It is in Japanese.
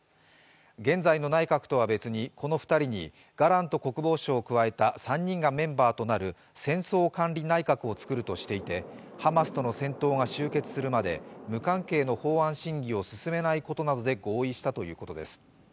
現在の内閣とは別にこの２人にガラント国防相を加えた３人がメンバーとなる戦争管理内閣を作るとしていて、ハマスとの戦闘が終結するまで無関係の法案審議を進めないことなどで合意したということです。